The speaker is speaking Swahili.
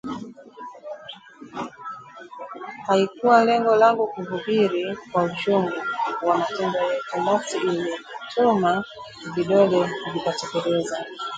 Halikuwa lengo langu kuhubiri, kwa uchungu wa matendo yetu nafsi imenituma, vidole vikateleza